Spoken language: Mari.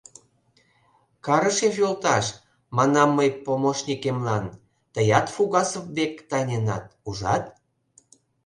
— Карышев йолташ, — манам мый помощникемлан, — Тыят Фугасов век тайненат, ужат?